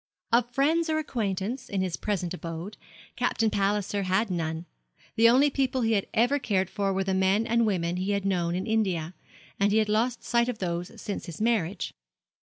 Of friends or acquaintance, in his present abode, Captain Palliser had none. The only people he had ever cared for were the men and women he had known in India; and he had lost sight of those since his marriage.